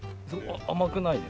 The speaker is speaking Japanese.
甘くないですか？